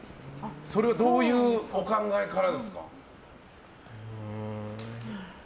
それはどういうお考えからですか？